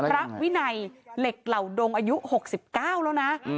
พระวินัยเหล็กเหล่าดงอายุ๖๙แล้วนะ